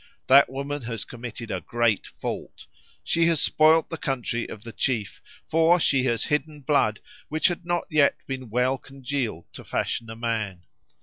That woman has committed a great fault. She has spoiled the country of the chief, for she has hidden blood which had not yet been well congealed to fashion a man.